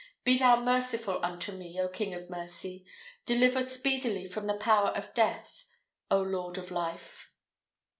Be thou merciful unto me, O King of mercy! Deliver speedily from the power of death, O Lord of life!"